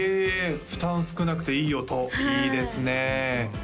負担少なくていい音いいですね